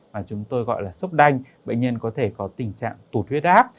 mà chúng tôi gọi là sốc đanh bệnh nhân có thể có tình trạng tụt huyết áp